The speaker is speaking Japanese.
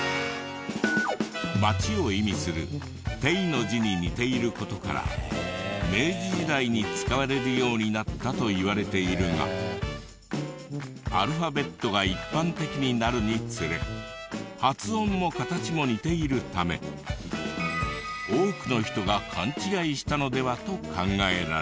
町を意味する「丁」の字に似ている事から明治時代に使われるようになったと言われているがアルファベットが一般的になるにつれ発音も形も似ているため多くの人が勘違いしたのではと考えられる。